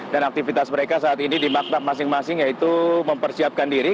dan aktivitas mereka saat ini di maktab masing masing yaitu mempersiapkan diri